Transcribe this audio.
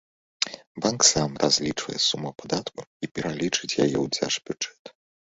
Банк сам разлічвае суму падатку і пералічыць яе ў дзяржбюджэт.